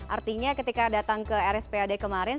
artinya ketika datang ke rspad kemarin